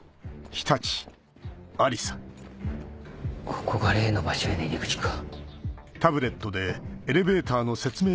ここが例の場所への入り口か。